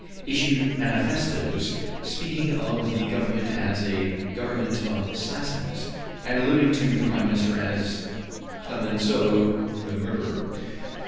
issued manifestoes speaking of the Government as ``a Government of assassins'' and alluding to the Prime Minister as ``Clemenceau the murderer.''